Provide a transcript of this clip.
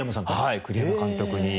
はい栗山監督に。